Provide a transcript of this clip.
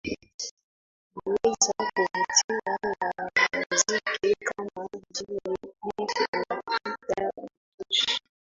Aliweza kuvutiwa na wanamuziki kama Jimmy Cliff na Peter Tosh